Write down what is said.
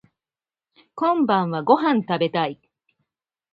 こんばんはご飯食べたい